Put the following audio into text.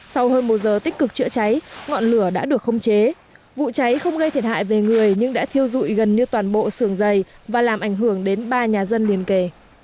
sau hơn một giờ tích cực chữa cháy ngọn lửa đã được khống chế vụ cháy không gây thiệt hại về người nhưng đã thiêu dụi gần như toàn bộ sườn giày và làm ảnh hưởng đến ba nhà dân liền kề